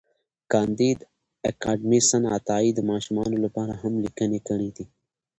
کانديد اکاډميسن عطایي د ماشومانو لپاره هم لیکني کړي دي.